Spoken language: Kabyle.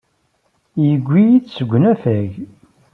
Yewwi-iyi-d seg unafag.